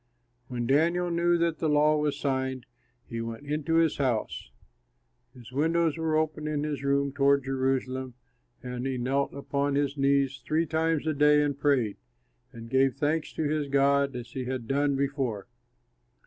When Daniel knew that the law was signed, he went into his house. His windows were open in his room toward Jerusalem, and he knelt upon his knees three times a day and prayed, and gave thanks to his God as he had done before.